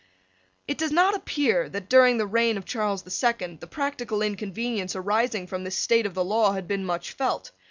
It does not appear that, during the reign of Charles the Second, the practical inconvenience arising from this state of the law had been much felt.